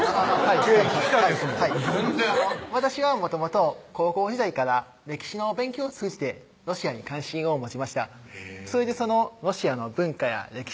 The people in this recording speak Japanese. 経緯聞きたいですもん全然私はもともと高校時代から歴史の勉強を通じてロシアに関心を持ちましたそれでロシアの文化や歴史